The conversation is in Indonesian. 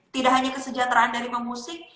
tidak hanya kesejahteraan dari pemusik